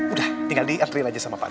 udah tinggal diantriin aja sama pak d